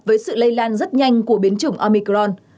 với sự lây lan rất nhanh của biến chủng omicron